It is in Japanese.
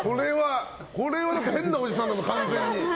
これは変なおじさんだもん完全に。